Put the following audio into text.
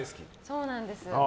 そうなんです。